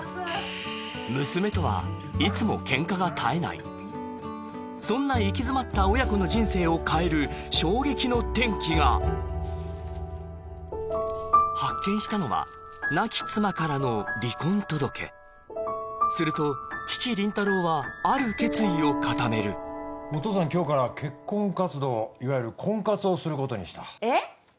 娘とはいつもそんな行き詰まった親子の人生を変える衝撃の転機が発見したのはすると父・林太郎はある決意を固めるお父さん今日から結婚活動いわゆる婚活をすることにしたえっ？